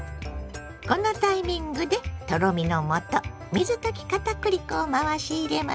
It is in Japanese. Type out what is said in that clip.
このタイミングでとろみのもと水溶き片栗粉を回し入れます。